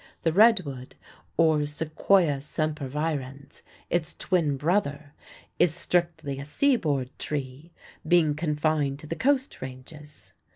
The Redwood, or Sequoia sempervirens, its twin brother, is strictly a seaboard tree, being confined to the coast ranges.